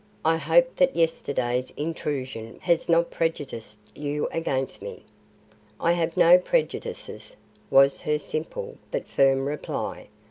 I hope that yesterday's intrusion has not prejudiced you against me." "I have no prejudices," was her simple but firm reply.